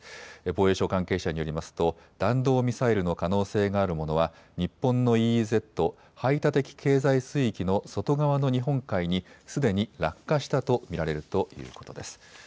防衛省関係者によりますと弾道ミサイルの可能性があるものは日本のＥＥＺ・排他的経済水域の外側の日本海にすでに落下したと見られるということです。